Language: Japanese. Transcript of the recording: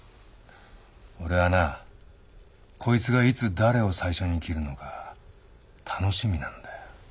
俺はなこいつがいつ誰を最初に斬るのか楽しみなんだよ。